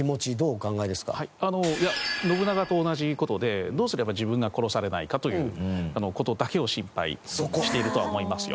信長と同じ事でどうすれば自分が殺されないかという事だけを心配しているとは思いますよ。